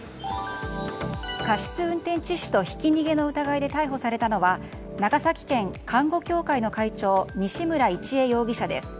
過失運転致死とひき逃げの疑いで逮捕されたのは長崎県看護協会の会長西村伊知恵容疑者です。